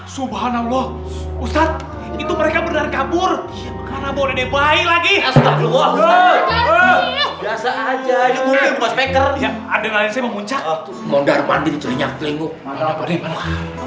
subhanallah ustadz itu mereka beneran kabur karena boleh bayi lagi